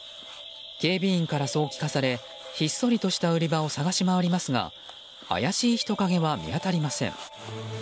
警備員からそう聞かされひっそりとした売り場を捜し回りますが怪しい人影は見当たりません。